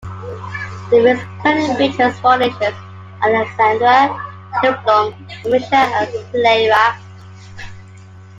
The Mist Continent features four nations: Alexandria, Lindblum, Burmecia, and Cleyra.